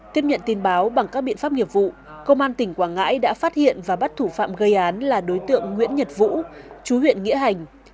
tiếp nhận tin báo bằng các biện pháp nghiệp vụ công an tỉnh quảng ngãi đã phát hiện và bắt thủ phạm gây án là đối tượng nguyễn nhật vũ chú huyện nghĩa hành